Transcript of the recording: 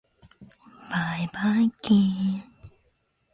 ばいばいきーーーん。